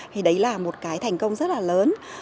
thì đấy là một cái thành công rất là lớn